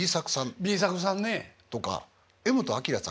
Ｂ作さんね。とか柄本明さん。